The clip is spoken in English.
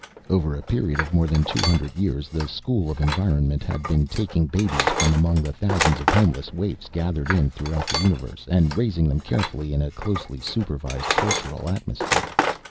Over a period of more than two hundred years the School of Environment had been taking babies from among the thousands of homeless waifs gathered in throughout the universe, and raising them carefully in a closely supervised, cultural atmosphere.